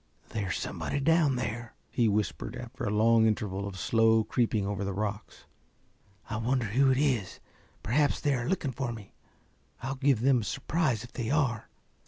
"There's somebody down there," he whispered, after a long interval of slow creeping over the rocks. "I wonder who it is? Perhaps they are looking for me. I'll give them a surprise if they are."